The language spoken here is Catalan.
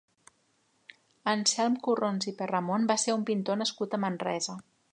Anselm Corrons i Perramon va ser un pintor nascut a Manresa.